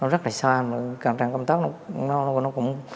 rất là xa công tác nó cũng